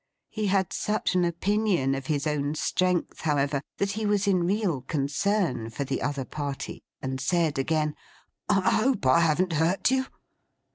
He had such an opinion of his own strength, however, that he was in real concern for the other party: and said again, 'I hope I haven't hurt you?